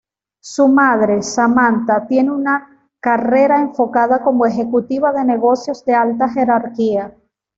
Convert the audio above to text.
Su madre, Samantha, tiene una carrera enfocada como ejecutiva de negocios de alta jerarquía.